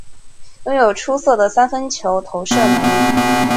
拥有出色的三分球投射能力。